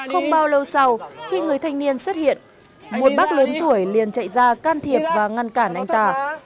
không bao lâu sau khi người thanh niên xuất hiện một bác lớn tuổi liền chạy ra can thiệp và ngăn cản anh tà